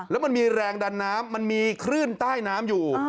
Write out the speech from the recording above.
แล้วมันมีแรงดันน้ำมันมีคลื่นใต้น้ำอยู่